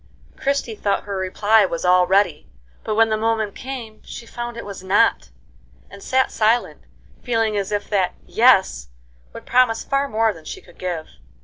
Christie thought her reply was all ready; but when the moment came, she found it was not, and sat silent, feeling as if that "Yes" would promise far more than she could give.